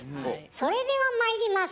それではまいります！